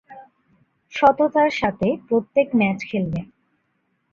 সততার সাথে প্রত্যেক ম্যাচ খেলবে।